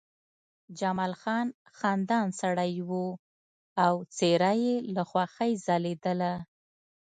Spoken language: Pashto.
جمال خان خندان سړی و او څېره یې له خوښۍ ځلېدله